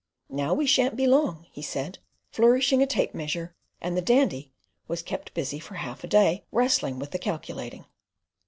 "Now we shan't be long," he said, flourishing a tape measure; and the Dandy was kept busy for half a day, "wrestling with the calculating."